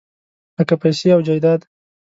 لکه پیسې او جایداد .